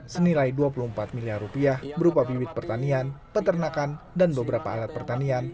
senilai dua puluh empat miliar rupiah berupa bibit pertanian peternakan dan beberapa alat pertanian